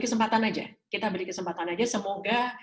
kesempatan saja semoga